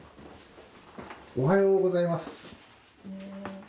おはようございます。